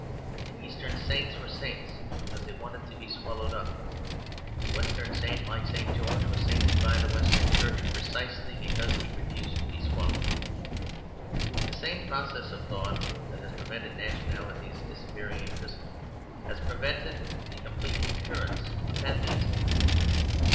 The Eastern saints were saints because they wanted to be swallowed up. The Western saint, like St. George, was sainted by the Western Church precisely because he refused to be swallowed. The same process of thought that has prevented nationalities disappearing in Christendom has prevented the complete appearance of Pantheism.